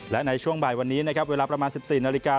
และในช่วงบ่ายวันนี้นะครับเวลาประมาณ๑๔นาฬิกา